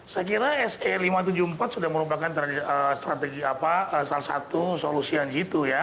saya kira se lima ratus tujuh puluh empat sudah merupakan strategi apa salah satu solusi yang jitu ya